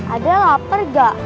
adek lapar gak